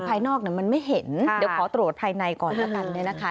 ภายนอกเนี่ยมันไม่เห็นเดี๋ยวขอตรวจภายในก่อนแล้วกันเนี่ยนะคะ